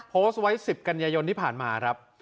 โพสต์ไว้๑๐กันยายนที่ผ่านมาครับ